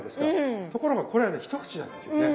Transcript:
ところがこれはね一口なんですよね。